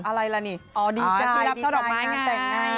อะไรละนี่อ๋อดีใจดีใจดีใจงานแต่งงานอ๋อดีใจดีใจงานแต่งงาน